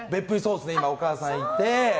今、お母さんいて。